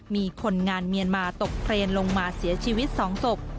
มีคนงานเมียนมาตกเครนลงมาเสียชีวิต๒ศพ